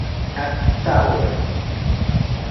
Act Tower